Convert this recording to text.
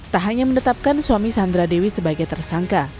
tak hanya menetapkan suami sandra dewi sebagai tersangka